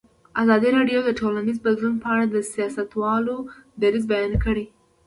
ازادي راډیو د ټولنیز بدلون په اړه د سیاستوالو دریځ بیان کړی.